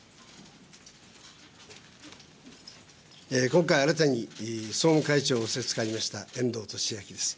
今回、新たに総務会長を仰せつかりました遠藤利明です。